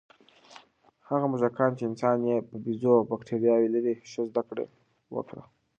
هغه موږکان چې د انسان یا بیزو بکتریاوې لري، ښه زده کړه وکړه.